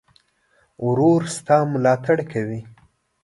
ورور ستا ملاتړ کوي.